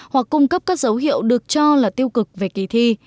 hoặc cung cấp các dấu hiệu được cho là tiêu cực về kỳ thi